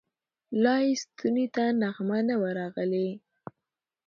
لا یې ستوني ته نغمه نه وه راغلې